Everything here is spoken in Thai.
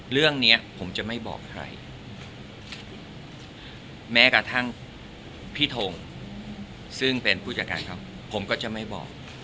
เรื่องนี้ผมจะไม่บอกใครแม้กระทั่งพี่ทงซึ่งเป็นผู้จัดการเขาผมก็จะไม่บอก